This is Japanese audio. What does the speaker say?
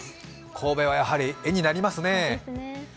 神戸はやはり絵になりますね。